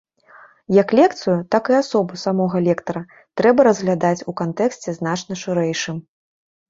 Як лекцыю, так і асобу самога лектара трэба разглядаць у кантэксце значна шырэйшым.